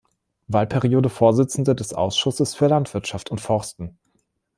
Wahlperiode Vorsitzende des Ausschusses für Landwirtschaft und Forsten.